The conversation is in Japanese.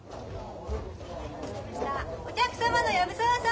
お客様の藪沢様！